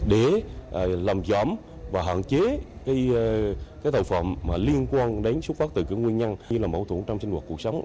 để làm giám và hạn chế cái tài phẩm liên quan đến xúc phát từ cái nguyên nhân như là mâu thuẫn trong sinh hoạt cuộc sống